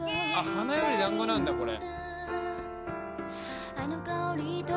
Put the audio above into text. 『花より男子』なんだこれ。